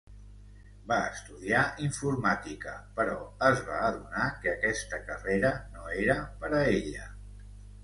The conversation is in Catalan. Va estudiar informàtica, però es va adonar que aquesta carrera no era per a ella.